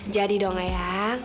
jadi dong eyang